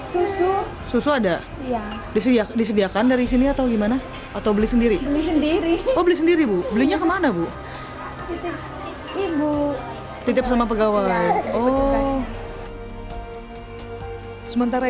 susu susu ada ya disediakan dari sini atau gimana atau beli sendiri sendiri beli sendiri bu belinya kemana